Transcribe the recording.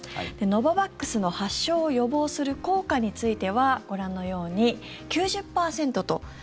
ノババックスの発症を予防する効果についてはご覧のように９０％と。